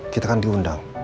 kita kan diundang